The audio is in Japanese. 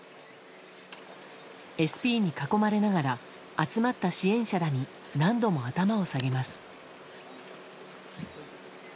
ＳＰに囲まれながら集まった支援者らに何度も頭を下げます。